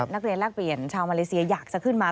แลกเปลี่ยนชาวมาเลเซียอยากจะขึ้นมา